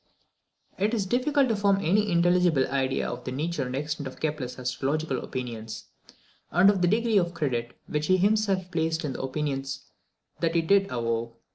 It is difficult to form any very intelligible idea of the nature and extent of Kepler's astrological opinions, and of the degree of credit which he himself placed in the opinions that he did avow.